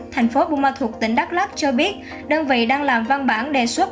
thành phố bung ma thuộc tỉnh đắk lắc cho biết đơn vị đang làm văn bản đề xuất